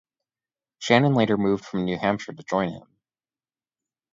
Shannon later moved from New Hampshire to join him.